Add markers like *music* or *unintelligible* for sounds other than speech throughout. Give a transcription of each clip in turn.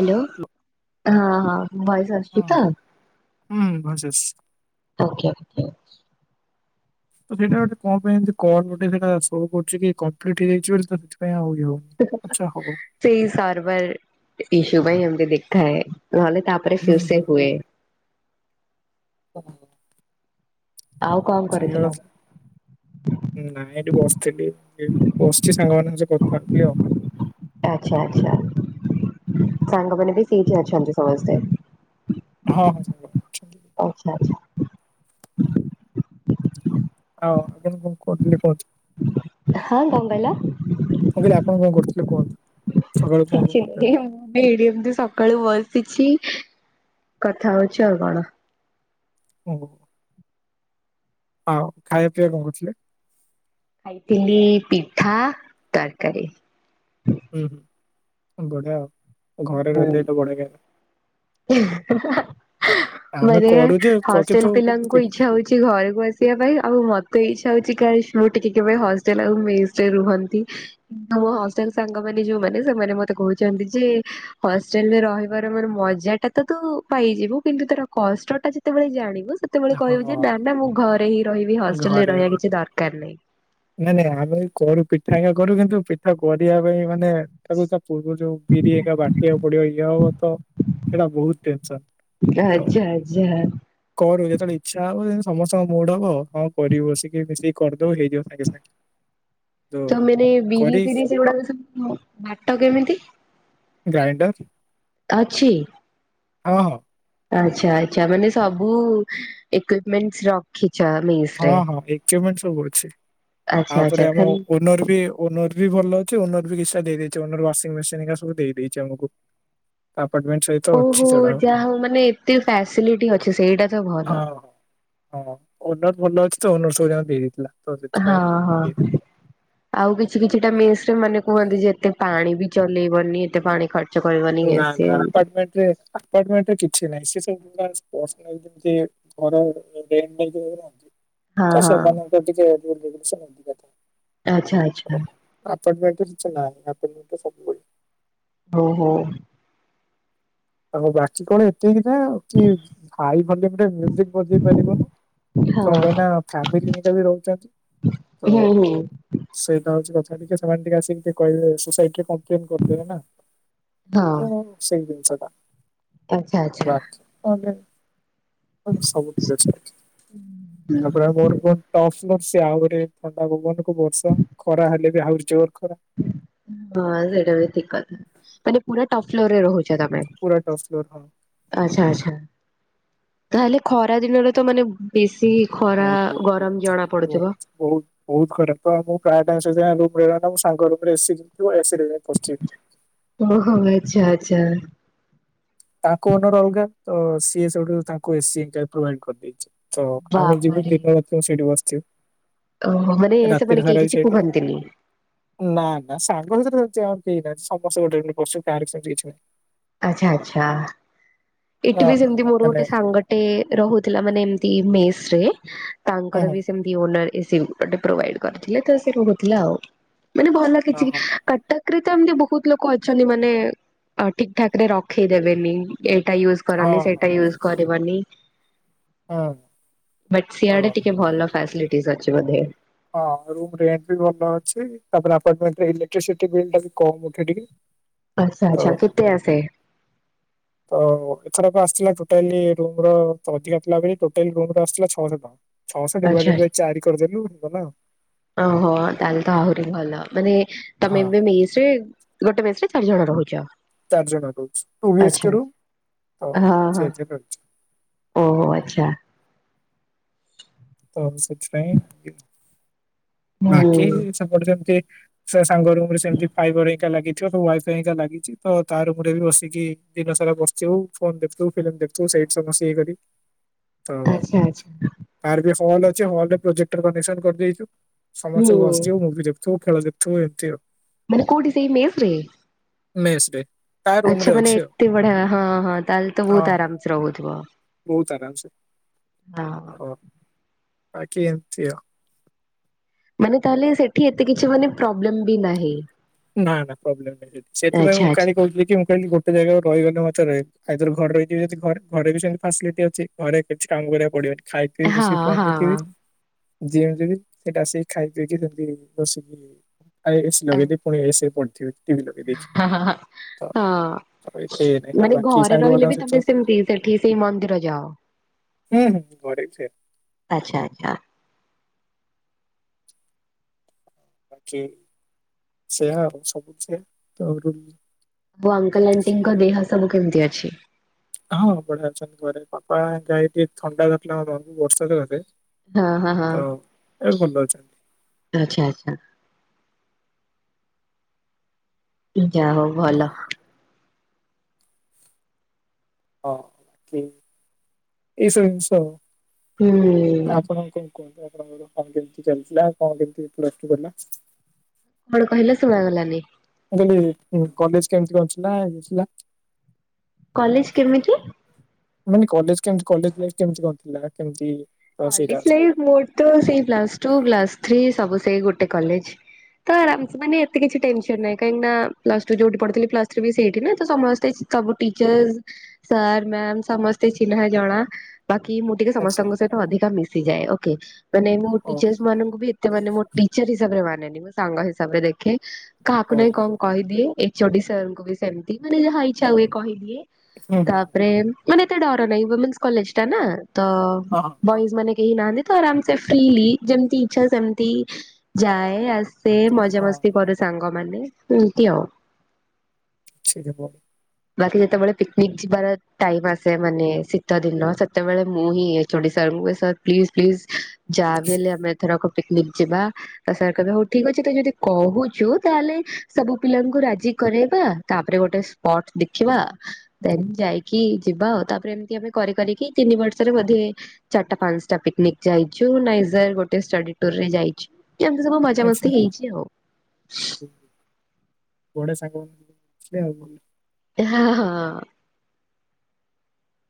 Hello. ହଁ ହଁ voice ଆସୁଚି ହଁ ତ? ହୁଁ ଭଏସ୍ ଆସୁଚି। Okay okay. ତ ସେଇଟା ଗୋଟେ ପାଇଁ ଏମିତି କଣ ଗୋଟେ ସେଇଟା ଶୋ କରୁଛି କି କଂପ୍ଲିଟ୍ ହେଇଯାଇଛି ବୋଲି ତ ସେଥିପାଇଁ ଆଉ ଇହ। ସେଇ ସର୍ରଭର ଇଶୁ ପାଇଁ ଏମିତି ଆମ ଦେଖାଏ। ନ ହେଲେ ତା ତାପରେ ହୁଁ ସେ ସେ ହୁଏ। ହଁ ଆଉ କଣ ସେଠଇ କ କରିଥିଲ? ଅଛ *unintelligible* ନାଇଁ ଏଇଠି ବସିଥିଲି ବସିଚି ସାଙ୍ଗମାନଙ୍କ ସହ କଥା ହଉଥିଲି ଆଉ। ଆଛା ଆଚ୍ଛା ସାଙ୍ଗମାନେ ବି ସେଇଠି ଅଛନ୍ତି ସମସ୍ତେ? ହଁ ହଁ *inaudible* ଆଛା ଆଛା। ହଉ ଆପଣଣ କହୁଥିଲି କହୁ *unintelligible* ହଁ କଣ କହିଲ? ମୁଁ କହିଲି ଆପଣ କଣ କରୁଥିଲେ କୁହନ୍ତୁ? ସକାଳୁ କଣ କଣ କରୁଥାନ୍ତି? ଆମେ ଏଇଠି ଏମିତି ସକାଳୁ ବସିଛି କଥା ହଉଛି ଆଉ କଣ? ଓହ। ଆଉ ଖାଇବା ପିଇବା କଣ କରୁଥିଲେ? ଖାଇଥିଲି ପିଠା ତରକାରୀ। ହୁଁ ହୁଁ ବଢିଆ ଆଉ ଘରେ ରହିଲେ ତ ବଢିଆ ଖା ଆମେ ମାରିଏ କରୁଛେ ହଷ୍ଟେଲ କିନ୍ତୁ ପିିଲାଙ୍କୁୁ ଇ ଇଛା ହଉଛି ଘରକୁ ଆସିବା ପାଇଁ ଆଉ ମତେ ଇଛା ହଉଛି କାସ ମୁଁ ଟିକେ କେବେ ହଷ୍ଟେଲ ଆଉ ମିସ୍ ରୁହନ୍ତି କିନ୍ତୁ ମୋ ହେଲ ସାଙ୍ଗମାନେ ଯୋଉମାନେ ସେମାନେ ମତେ କହୁଛନ୍ତି ଯେ ହଷ୍ଟେଲରେ ରହିବାର ମାନେ ମଜା ଏତେ ତୁ ପାଇଯିବ କିନ୍ତୁ ତାର କଷ୍ଟ ଟା ଯେତେବେଳେ ଜାଣିବୁ ସେ ସେତେବେଳେ କହିବୁ ଯେ ନା ହଁ ନା ମୁଁ ଘରେ ହିଁ ରହିବି ହଷ୍ଟେଲରେ ଘରେ ରହିବା କିଛି ଦରକାର ନାହିଁ। ନାଇଁ ନାଇଁ ଆମେ କରୁ ପିଠା ଆଜ୍ଞା କରୁ କିନ୍ତୁ ପିଠା କରିବା ପାଇଁ ମାନେ ତାକୁ ତା ପୂର୍ବରୁ ଯୋଉ ବିରି ହେକା ବାଟିବାକୁ ପଡିବ ଇଏ ହବ ତ ସେଇଟା ବହୁତ ଟେନସନ। ତ ଆଜ୍ଛା ଆଚ୍ଛା। କରୁ ଯେତେବେଳେ ଇଚ୍ଛା ହବ ସମସ୍ତଙ୍କ ମୁଡ ହବ ହଁ କରିବୁ ବସିକି ମିଶିକି କରିଦବ ହେଇଯିବ ସାଙ୍ଗେ ସାଙ୍ଗେ। ତ ତମାନେ ବିରି କରି ଫିରି ସେଗୁଡା ବାଟ କେମିତି? ଗ୍ରାଇଣ୍ଡର। ଅଛି? ହଁ ହଁ। ଆଛା ଆଛା ମାନେ ସବୁ ଇକ୍ପୁମେଣ୍ଟ ର ଖିଚ ମି ହଁ ହଁ ଇକୁମେଣ୍ଟ ସବୁ ଅଛି ଆଚ୍ଛା ଆଚ୍ଛା ତାପରେ ଆମ ଓ ଖାଲି ଓନର୍ ବି ଓନର୍ ବି ଭଲ ଅଛି ଓନର୍ ବି କିଛି ଟା ଦେଇଛି ୱାସିଙ୍ଗି ମେସିନା ସବୁ ଦେଇଛି ଆମକୁ। ଆପାର୍ଟମଣ୍ଟ। ଓହୋ ଯାହା ହଉ ମାନେ ଏତେ ଫାସିଲିଟି ଅଛି ସେଇଟା ତ ହଁ ଭଲ। ହଁ ହଁ ଓନର ଭଲ ଅଛି ତ ଓନର ସବୁ ଯାକ ଦେଇ ଦେଇଥିଲା। ତ ହଁ ସେଥିପାଇଁ ହଁ। ଇଏ। ଆଉ କିଛି କିଛିଟା ମେସ ରେ ମାନେ କୁହନ୍ତି ଯେ ଏତେ ପାଣି ବି ଚଲେଇବନି ଏତେ ପାଣି ଖ ଚ କରିବନି ଇଏ ସିଏ ଏମିତି। ବେଟ୍ର ଟ୍। ପମଣ୍ଟ କିଛି ନାହିଁ ସେବୁ *unintelligible* ଘର ରେନ୍ବନ୍ତି *unintelligible* ହଁ ତ ହଁ ସେମାନେଙ୍କର ଟିକେ ଦି ଦିନସ ଆଛା ଆଚ୍ଛା। ଆପାର୍ଟମେଣ୍ଟ ରେ କିଛି ନାହିଁ, ଆପାର୍ଟମେଣ୍ଟରେ ସବୁ ଓହୋ। ଆଉ ବାକି କଣ ଏତିକି ନା କି ହାଇ ଭଲ୍ୟୁରେ ମ୍ୟୁଜିକ ବଜେଇ ପାରିବ? ହଁ କଣ ପାଇଁ ନା ଫାମିଲିି ଦିଟା ବି ରହୁଛନ୍ତି ତ ହୁଁ ହୁଁ ସେଇଟା ହଉଛି କଥା ଟିକେ ସେମାନେ ଟିକେ ଆସିକି କହିବେ ସୋସାଇଟି ରେ କଣ ପ୍ରୋବ୍ଲେମ ନା ହଁ ତ ସେଇ ଜିନିଷ ଟା। ଆଚ୍ଛା ଆଚ୍ଛା ବାଛି ବି କଣଟେ ସବୁ ଠିକ ଅଛି ତାପରେ ଆଉ କଣ ଗୋଟେ କୁହନ୍ତୁ? ଟପସ୍ ଫ୍ଲୋର ସେ ଆହୁରି ଥଣ୍ଡା ପବନ କୁ ବର୍ଷା ଖରା ହେଲେ ବି ଆହୁରି ଜୋର ଖରା। ହଁ ସେଇଟା ବି ଠିକ କଥା ମାନେ ପୁରା ଟପ୍ ଫ୍ଲୋରରେ ରହୁ ଚ ତମେ? ପୁରା ଟପ୍ ଫ୍ଲୋର ହଁ ଆଛା ଆଚ୍ଛା, ତାହେଲେ ଖରା ଦିନରେ ତ ମାନେ ବେଶୀ ଖରା ବହୁତ ଗରମ ବହୁତ ଜଣା ବହୁତ ପଡୁଥିବ? ବହୁତ ବହୁତ ଖରାପ ତ ମୁଁ ପ୍ରାୟ ଟାଇମ ସେଥିପାଇଁ ମୁଁ ରୁମରେ ରହେନା ସାଙ୍ଗ ରୁମରେ ଏସିି ଲାଗିଥିବ ଏସି ରେ ଯାଇଁ ପଶିଯିବି। ଓହୋ ଆଚ୍ଛା ଆଚ୍ଛା। ତାଙ୍କ ଓନର୍ ଅଲଗା ତ ସିଏ ସେଇ ଠୁ ତାଙ୍କୁ ଏସି ପ୍ରୋଭାଇଡ କରିଦେଇଛି। ତ ଆମେ ଯିବୁ ବାବାରେ। ଦିନ ରାତିି ସେଇଠି ବସିଥିବୁ। ଓହୋ ମାନେ ସେମାନେ କେହି କିଛି କୁହନ୍ତିନି? ନା ନା ସାଙ୍ଗ ଭିତରେ ସେମିତି ଆମ କେହି ନାହିଁ ସମସ୍ତେ ଗୋଟେ ରୁମରେ ପଶିବୁ କାହାର ସେମିତି କିଛି ନାହିଁ। ଆଛା ଆଛା, ଏଠି ବି ହଁ ସେମତି ମୋର ମାନେ ଗୋଟେ ସାଙ୍ଗ ଗଟେ ରହୁଥିଲା ମାନେ ଏମତି ମେସ ରେ ହଁ ତାଙ୍କର ହଁ ବି ସେମତି ଓନର ଏସି ଗୋଟେ ପ୍ରୋଭାଇଡ କରିଥିଲେ ତ ସେ ରହୁଥିଲା ଆଉ ମାନେ ଭଲ କିଛି ହଁ କଟକ ରେତ ଏମତି ବହୁତ ଲୋକ ଅଛନ୍ତି ମାନେ ଅ ଠିକ ଠାକ ରେ ରଖେଇଦେବେନି ଏଇଟା ୟୁଜ ହଁ କରନି ହଁ ସେଇଟା ୟୁଜ କରିବନି। ହଁ। ବଟ ଓ ସିଆଡେ ଟିକେ ଭଲ ଫ୍ୟାଶିଲିଟିଜ ଅଛି ବୋଧେ। ହଁ ରୁମ୍ ରେଣ୍ଟ ବି ଭଲ ଅଛି ତାପରେ ଆପାର୍ଟମେଣ୍ଟରେ ଇଲେକ୍ଟ୍ରିସିଟି ବିଲଟା ବି କମ ଉଠୁଚି। ଆଚ୍ଛା ଆଚ୍ଛା କେତେ ଆସେ? ତ ଏଥରକ ଆସିଥିଲା ଟୋଟାଲି ରୁମର ଅଧିକା ଥିଲା ବୋଲି ଟୋଟାଲି ରୁମର ଆସିଥିଲା ଛଅଶହ ଟଙ୍କା। ଛଅଶହ ଆଚ୍ଛା ଡିଭାଇଡେଡ ବାଇ ଚାରି କରିଦେଲୁ ଗଲା ଆଉ। ଓହୋ ତାହେଲେ ତ ଆହୁରି ଭଲ ମାନେ ହଁ ତମେ ଏବେ ମେସ ରେ ଗୋଟେ ମେସରେ ଚାରି ଜଣ ରହୁଛ? ଚାରି ଜଣ ରହୁଚୁ, ପ୍ରୋଭିଏସ୍ ଆଚ୍ଛା କରୁ ଆଉ ହଁ ହଁ ସେଥିରେ ରହୁଛି। ଓହୋ ଆଚ୍ଛା। ତ ସେଥିପାଇଁ ବାକି ହୁଁ ସବୁଠି ଯେମତି ସେ ସାଙ୍ଗ ରୁମ ରେ ସେମିତି ଫାଇବର ହେରିକା ଲାଗିଥିବ ୱାଇଫାଇ ଲାଗିଛି ତ ତା ରୁମ ରେ ବି ବସିକି ଦିନ ସାରା ବସ ଥିବୁ, ଫୋନ ଦେଖୁୁଥିବୁ, ଫିଲିମ୍ ଦେଖୁଥିବୁ ସେଇଠି ସବୁ ବସି ଇଏ କରି। ହ *inaudible* ତ ତାର ବି ହଲ ଅଛି ହଲରେ ପ୍ରୋଜେକ୍ଟର କନେକସନ କରିଦେଇଛୁ। ସମସ୍ତେ ହୁଁ ବସିଯିବୁ ମୁଭି ଦେଖୁଥିବୁ ଖେଳ ଦେଖୁଥିବୁ ଏମିତି ଆଉ। ମାନେ କଉଠି ସେଇ ମେସରେ? ମେସ୍ ରେ। ତା ରୁମ ଆଚ୍ଛା ରେ ମାନେ ଅଛି ଆଉ ଏତେ ବଢିଆ ହଁ ହଁ ତାହେଲେ ତ ବହୁତ ହଁ ହଁ ଆରାମସେ ରହୁଥିବ। ବହୁତ ଆରାମସେ ହଁ ଅ, ବାକି ଏମତି ଓ। ମାନେ ତାହେଲେ ସେଠି ଏତେ କିଛି ମାନେ ପ୍ରୋବ୍ଲେମ୍ ବି ନାହିଁ? ନା ନା ପ୍ରୋବ୍ଲେମ୍ ନାହିଁ ସେଠି, ସେଥିପାଇଁ ଆଚ୍ଛା ମୁଁ କାଲି ଆଚ୍ଛା କହିଥିଲି କି ମୁଁ କିହିଲି ଗୋଟେ ଜାଗା ରହିଗଲେ ମୋତେ ରହି ଆଇଦର ଘରେ ରହିଯିବେ ଯଦି ଘରେ, ଘରେ ବି ସେମିତି ଫାସିଲିଟି ଅଛି ଘରେ କିଛି କାମ କରିବାକୁ ପଡିବନି। ଖାଇ କି ବସି ହଁ ଫୋନ୍ ହଁ ଦେଖିବି। ଯେମିତି କି ସେଟା ଆସିକି ଖାଇ ପିଇକି ସେମତି ବସିକି ଆଉ ଏସି ଏ ଲଗେଇ ଦେଇ ପୁଣି ଏସି ରେ ପଡଥିବି ଟିଭି ଲଗେଇ ଦେଖି। ହଁ ହଁ ହଁ ତ ହଁ ସହ ଏତେ ଇଏ ନାଇଁନା ଆଉ ମାନେ ବାକିି ଘରେ ରହିଲେ ସାଙ୍ଗମାନଙ୍କ ବି ତମେ ସହିତ ସେମିତି ସେଠି ସେଇ ମନ୍ଦିର ଯାଅ ଉଁ, ହୁଁ। ଆଚ୍ଛା, ଆଚ୍ଛା। ବାକି ସେହା ଆଉ ସବୁ ସେ ତ ରୁ *inaudible* ଓ ଅଙ୍କଲ୍ ଆଣ୍ଟିଙ୍କ ଦେହ ସବୁ କେମିତି ଅଛି? ହଁ ବଢିଆ ଅଛନ୍ତି ଘରେ, ବାପା ଏଇ ଟିକେ ଥଣ୍ଡା ଧରିଥିଲା ବାପାଙ୍କୁ ବର୍ଷା *unintelligible* ରେ ହଁ, ହଁ, ହଁ ଅଛନ୍ତି ଆଚ୍ଛା, ଆଚ୍ଛା। ଯା ହଉ ଭଲ। ହଁ କି ଏଇସବୁ ସ ହୁଁ। ଆପଣ ଆଉ କଣ କୁହନ୍ତୁ, ଆପଣଙ୍କର କଣ କେମିତି ଚାଲିଚି ଆଉ କଣ କେମିତି ପ୍ଲସ୍ ଟୁ କଟିଲା? କଣ କହିଲେ ଶୁଣାଗଲାନି? ମୁଁ କହିଲି ଉଁ, କଲେଜ୍ କେମିତି କଣ ଥିଲା ଇଏ ଥିଲା? କଲେଜ୍ କେମିତି? ମାନେ କଲେଜ୍ କେମତି କଲେଜ୍ ଲାଇଫ୍ କେମତି କଣ ଥିଲା କେମତି? କଲେଜ୍ ଲାଇଫ୍ ମୋର ତ ସେଇ ପ୍ଲସ୍ ଟୁ ପ୍ଲସ୍ ଥ୍ରୀ ସବୁ ସେଇ ଗୋଟେ କଲେଜ୍। ତ ଆରାମସେ ମାନ ଏତେ କିଛି ଟେନସନ୍ ନାହିଁ, କାହିଁକି ନା ପ୍ଲସ୍ ଟୁ ଯୋଉଠି ପଢିଥିଲି ପ୍ଲସ୍ ଥ୍ରୀ ବି ସେଇଠି ନା ତ ସମସ୍ତେ ଚି ସବୁ ଟିଚର୍ ସାର୍ ମ୍ୟାମ୍ ସମସ୍ତେ ଚିହ୍ନା ଜଣା ବାକି ମୁଁ ଟିକେ ଆଚ୍ଛା ସମସ୍ତଙ୍କ ସହିତ ଅଧିକା ମିଶିଯାଏ ଓକେ। ମାନେ ମୁଁ ଓହୋ ଟିଚର୍ସ ମାନଙ୍କୁ ବି ଏତେ ମାନେ ମୋ ଟିଚର୍ ହିସାବରେ ମାନେନି ମୁଁ ସାଙ୍ଗ ହିସାବରେ ଦେଖେ। କାହାକୁ ହଉ ନାଇଁ କଣ କହିଦିଏ ଏଚଓଡି ସାର୍ ଙ୍କୁ ବି ସେମିତି ମାନେ ଯାହା ଇଚ୍ଛା ହୁଏ କହିଦିଏ। ହୁଁ ହୁଁ ତାପରେ ମାନେ ଏତେ ଡର ନାଇଁ ୱିମେନ୍ସ କଲେଜ୍ ଟା ନା ତ ହଁ ବଏଜ୍ ମାନେ କେହି ନାହାନ୍ତି ତ ଆରାମସେ ଫ୍ରିଲି ଯେମତି ଇଛା ରେ ସେମତି ଯାଏ ଆସ ସେ ହଁ ହଁ ମଜାମସ୍ତି କରୁ ସାଙ୍ଗମାନେ ଏମତି ଆଉ। ସେଇଠି ବ ବାକି ଯେତେବେଳେ ପିକନିକ ଯିବାର ଟାଇମ୍ ଆସେ ମାନେ ଶୀତ ଦିନ ସେତେବେଳେ ମୁଁ ହିଁ ଏ ଚଡି ସାର୍ ଙ୍କୁ ଏ ସାର୍ ପ୍ଲିଜ୍ ପ୍ଲିସ୍ ଯାହାବି ହେଲେ ଆମେ ଏଥରକ ପିକନିକ ଯିବା। ତ ସାର୍ କହିବେ ହଉ ଠିକ ଅଛି, ତୁ ଯଦି କହୁଛୁ ତାହେଲେ ସବୁ ପିଲାଙ୍କୁ ରାଜି କରେଇବା। ତାପରେ ଗୋଟେ ସ୍ପଟ୍ ଦେଖିବା। ଦେନ୍ ଯାଇକି ଯିବା ଆଉ ତାପରେ ଏମିତି ଆମେ କରି କରିିକି ତିନି ବର୍ଷରେ ବୋଧେ ଏ ଚାଟା ପାନ୍ସଟା ପିକନିକ୍ ଯାଇଛୁ, ନାଇଜର ଗୋଟେ ଷ୍ଟୋଡି ଟୁର୍ ରେ ଯାଇ ଛୁ, ଏମିତି ସବୁ ମଜା ଆଚ୍ଛା ମସ୍ତି ହେଇଛି ଆଉ। *unintelligible* ସାଙ୍ଗ *inaudible* ହଁ, ହଁ।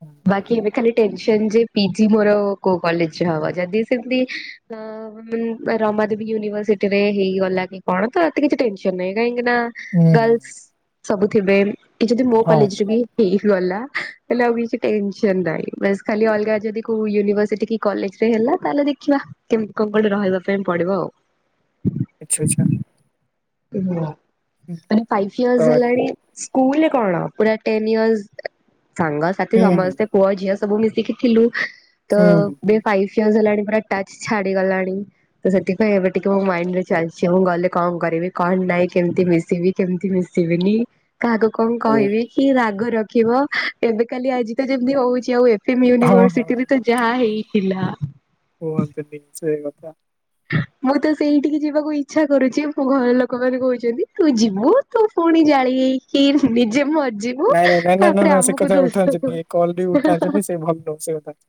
ହୁଁ ବାକି ଏବେ ଖାଲି ଟେନସନ୍ ଯେ ପିଜି ମୋର କୋଉ କଲେଜ୍ ରେ ହବ, ଯଦି ସେମତି *unintelligible* *unintelligible* ତ ରମାଦେବୀ ୟୁନିଭର୍ସିଟି ରେ ହେଇଗଲା କି କଣ ତ ଏତେ କିଛି ଟେନସନ୍ ନାହିଁ, କାହିଁକି ନା ହୁଁ ଗର୍ଲସ୍ ସବୁ ଥିବେ ଯଦି ମୋ ହଁ କଲେଜେରେ ବି। ହେଇି ଗଲା ହେଲେ ଆଉ କିଛି ଟେନେସନ୍ ନାହିଁ ବାସ୍ ଖାଲି ଅଲଗା ଯଦିି କୋଉ ଇନ୍ ଭରସିଟି କି କଲେଜରେ ହେଲା ତାହଲେ ଦେଖିବା। କେମିତି କୋଉ ପଟେ ରହିବା ପାଇଁ ପଡିବ ଆଉ। ଆଛା ଆଛା। ମାନେ ଫାଇପ୍ ଇୟର୍ସ ସରି ହେଲାଣି। ସ୍କୁଲ କଣ ପୁରା ଟେନ୍ ଇୟର୍ସ ସାଙ୍ଗ ହୁଁ ସାଥି ହୁଁ ସମସ୍ତ। ସେ ପୁଅ ଝିଅ ସବୁ ମିଶିକି ଥିଲୁ ହୁଁ ତଭେ ହୁଁ ଫାଇଭ୍ ଇୟର୍ସ ହେଲାଣି ପୁରା ଟଚ୍ ଛାଡିଗଲାଣି। ତ ସେଥିପାଇଁ ଏବେ ଟିକେ ମୋ ମାଇଣ୍ଡି ରେ ଚାଲିଛି ମୁଁ ଗଲେ କଣ କରିବି? କଣ ନାଇଁ କେମିତି ମିଶିବି କେମିତି ମିଶିବିନି କାହାକୁ କଣ ଓ କହିବି? କି ରାଗ ରଖିବ, ଏବେ କାଲି ଆଜି ତ ଯେମିତି ହଉଛି ଆଉ ଏଫ୍ ଏମ୍ ହଁ ହଁ ୟୁନିଭର୍ସିଟି ବି ତ ଯାହା ହେଇଥିଲା। କୁହନ୍ତୁନି ସେ କଥା। ମୁଁ ତ ସେଇଠିକି ଯିବାକୁ ଇଚ୍ଛା କରୁଛି, ମୋ ଘର ଲୋକମାନେ କହୁଛନ୍ତି ତୁ ଯିବୁ। ତତ ପୁଣି ଜାଳି ହେଇକି ନିଜେ ମରିଯିବି। ନାଇଁ ନାଇଁ ନାଇଁ ନା ନା ସେ କଥା ଉଠାନ୍ତିନି ଏ କଲ୍ ରେ ବି ଉଠାନ୍ତୁନି ସେ ଭଲ ନୁହଁ ସେ କଥା।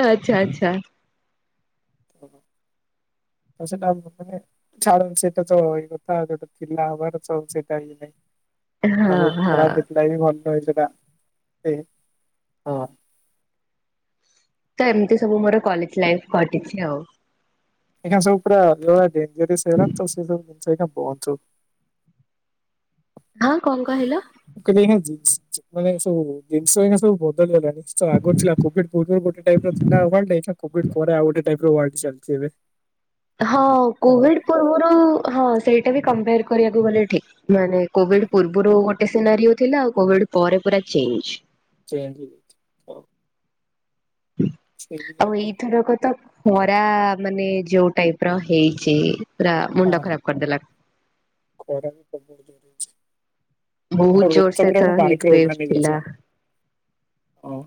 ତ ଆଚ୍ଛା ଆଚ୍ଛା। ଓ ସେଟା ପ୍ରଥମେ ଛାଡନ୍ତୁ ସେଇଟା ତ ଏଇ କଥା ଯଉଟା ଥିଲା ହବାର ତ ସେଇଟା ଇଏ ନାଇଁ। ହଁ ବହୁତ୍ ହଁ ଖରାପ ହେଇଥିଲା କି ଭଲ ହେଇଥିଲା ସେ ହଁ। ତ ଏମିତି ସବୁ ମୋର କଲେଜ୍ ଲାଇଫ୍ କଟିଛି ଆଉ। ଆଜ୍ଞା ସବୁ ପୁରା ଯେଭେଳେୟା ଡେଞ୍ଜରୀୟସ୍ ସେଗୁଡା ତ ସେ ସବୁ ଜିନିଷ ପହଞ୍ଚୁ। ଆଁ କଣ କହିଲ? ମୁଁ କହିଲି ମାନେ ସବୁ ଜିନିଷ ଏଇନା ସବୁ ବଦଳିଗଲାଣି ତ ଆଗରୁ ଥିଲା। ବଟ୍ କୋଭିଡ ପୁର୍ବରୁ ଗୋଟେ ଟାଇପ୍ ର ଥିଲା ୱର୍ଲ୍ଡ ଏଇନା କୋଭିଡ୍ ପରେ ଆଉ ଗୋଟେ ଟାଇପ୍ ର ୱାର୍ଡ ଚାଲିଛି ଏବେ। *inaudible* ହଁ ତ କୋଭିଡ୍ ପୂର୍ବରୁ ହଁ ସେଇଟା ବି କମ୍ପାୟାର୍ କରିବାକୁ ଗଲେ ଠିକ୍ ମାନେ। କୋଭିଡ୍ ହଁ ପୂର୍ବରୁ ଗୋଟେ ସିନାରିଉ ଥିଲା ଆଉ କୋଭିଡ୍ ପରେ ପୁରା ଚେଞ୍ଜେ। ଚେଞ୍ଜେ ହେଇଯାଇଚି। ସେଇ ଆଉ ଏଇଥର କ ତ ଖରା ମାନେ ଯୋଉ ଟାଇପ୍ ର ହେଇଚି। ପୁରା ମୁଣ୍ଡ ଆଉ ହଁ ଖରାପ୍ କରିଦେଲା। ଖରା ବି ପ୍ରବଳ ଜୋର୍ ରେ ହେଉଚି। ବହୁତ ଆଉ ଲୋକଟା ଜୋରସେ ପୁରା ଏଥର ମୋ ହିଟ୍ ବାଇକ୍ ରେ ୱେଭ ଓଭ୍ରାନ୍ ଥିଲା। ହେଇଯାଇଛି ଓ।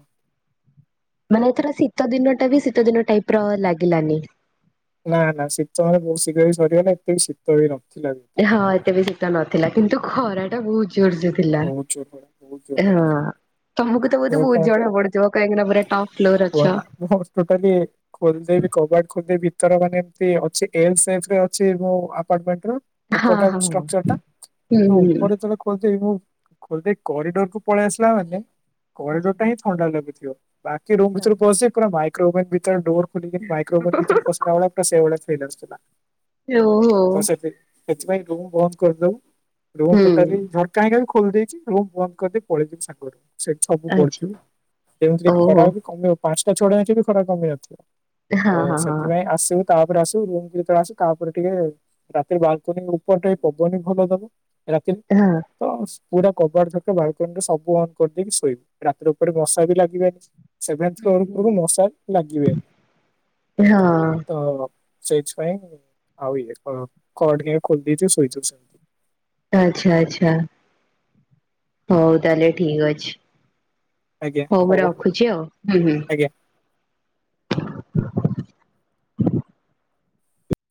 ମାନେ ଏଥର ଶୀତ ଦିନଟା ବି ଶୀତ ଦିନ ଟାଇପ୍ ର ଲାଗିଲାନି। ନା ନା ଶୀତ ମାନେ ବହୁତ ଶୀଘ୍ର ବି ସରିଗଲା ଏତେ ବି ଶୀତ ଶୀତ ବି ନଥିଲା ବି। ହଁ ଏତେ ବି ଶୀତ ନଥିଲା କିନ୍ତୁ ଖରା ଟା ବହୁତ ଜୋର୍ ଜୋର୍। ବହୁତ୍ ଜୋର୍ ଖରା। ବହୁତ ଜୋର ହଁ ଖରା ତମକୁ ତ ବୋଧେ ମୋର ବହୁତ କଣ ଜଣା ପଡୁଥିବ କାହିଁକିନା ପୁରା ଟପ୍ ଫ୍ଲୋର୍ ରେ ଅଛ। କୁହନା ମୁଁ ଟୋଟାଲି ଖୋଲିଦେବି କବାଟ ଖୋଲିଦେବି ଭିତର ମାନେଏମିତି ଅଛି ଏଲ୍ ସାଇଜ୍ ର ଅଛି ମୋ ଅପାର୍ଟମେଣ୍ଟେ ର। ହଁ ଉପରଟା ହଁ ହେଉଛି ହଁ। ଷ୍ଟ୍ରକ୍ଚର୍ ଟା ହୁଁ ତ ହୁଁ। ଉପରେ ଯେତେବେଳେ ଖେ କରୁଥିବି ମୁଁ ଖୋଲିଦେଇ କରିଡର୍ କୁ ପଳେଇ ଆସିଲା ମାନେ କରିଡର୍ ଟା ହିଁ ଆଚ୍ଛା ଥଣ୍ଡା ଲାଗୁଥିବ। ବାକି ରୁମ୍ ଭିତରକୁ ଆଚ୍ଛା। ପସିଯାଇ ପୁରା ମାଇକ୍ରୋ ଓଭନ୍ ଭିତରେ ଡେର୍ ଖୋଲି ଯେମିତି ମାଇକ୍ରୋଓଭନ୍ ଭିତରେ ପଶି। ସେତେବେଳେ ପୁରା ସେ ଭଳିଆ ଫିଲ୍ ଆସୁଥିଲା ଓହୋ ତ ସେଥି ସେଥିପାଇଁ ରୁମ୍ ବନ୍ଦ କରିଦଉ ରୁମ୍ ହୁଁ ଟୋଟାଲି ଝରକା ହିଁ ଖାଲି ଖୋ ଖୋଲି ଦେଇଛି ଏବଂ ବନ୍ଦ କରିଦେଇ ପଳେଇଥିଲି ସାଙ୍ଗ ଘରକୁ? ସେଠି ସବୁ ଆଚ୍ଛା ପଡିଥିବୁ ଯେମିତିକୁ ଓହୋ ଖରା କମିବ ପାଞ୍ଚଟା ଛଅ ଟା ଯାଏଁ ବି ଖରା କମିବାର ନାଇ। ହଁ ତ ହଁ ହଁ ସେଥିପାଇଁ ଆସିବୁ ତାପରେ ଆସିବୁ ରୁମକୁ ଯେତେବେଳେ ଆସୁ ତାପରେ ଟିକେ ରାତିରେ ବାଲ୍କୁନି ଉପରଟା ବି ପବନ ଭଲ ଦବ ରାତିରେ ହଁ। ତ ପୁରା କବାଟ ଝରକା ବାଲ୍କନିରେ ସବୁ ଅନ୍ କରିଦେଇକି ଶୋଇବୁ ରାତିରେ ଉପରେ ମଶା ବି ଲାଗିବନି। ସେଭେନ୍ଥ ହୁଁ ଫ୍ଲୋର ହୁଁ। ଉପରକୁ ମଶା ଲାଗିବେନି ହଁ ତ ସେଇଥି ପାଇଁ ଆଉ ଇଏ କବାଟ ଖୋଲିଦେଇଛି ଶୋଇଛୁ ସେମତି। ତ ଆଚ୍ଛା ଆଚ୍ଛା ହଉ ତାହେଲେ ଠିକ ଅଛି। ହଉ ମୁଁ ରଖୁଛି ଆଉ ହୁଁ ହୁଁ। ଆଜ୍ଞା। ଘନ୍ ଘନ୍